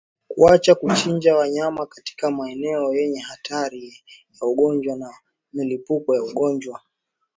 Kuacha kuchinja wanyama katika maeneo yenye hatari ya ugonjwa na milipuko ya ugonjwa